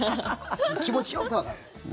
気持ち、よくわかる。